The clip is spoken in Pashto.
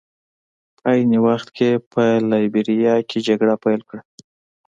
په عین وخت کې یې په لایبیریا کې جګړه پیل کړه.